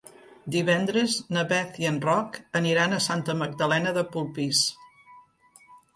Divendres na Beth i en Roc aniran a Santa Magdalena de Polpís.